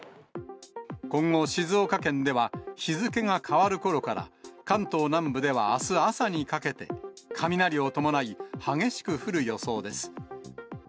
今後、静岡県では日付が変わるころから、関東南部ではあす朝にかけて、雷を伴い、激しく降る予想です。